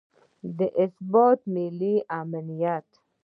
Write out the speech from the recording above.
د ثبات، ملي امنیت